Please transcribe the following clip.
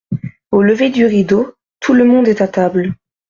Au lever du rideau, tout le monde est à table.